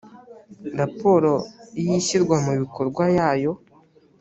raporo y ishyirwa mu bikorwa yayo